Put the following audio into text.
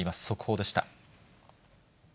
速報でした。